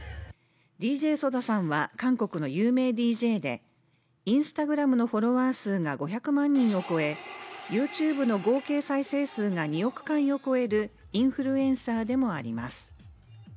ＤＪＳＯＤＡさんは韓国の有名ＤＪでインスタグラムのフォロワー数が５００万人を超えＹｏｕＴｕｂｅの合計再生数が２億回を超えるインフルエンサーでもあります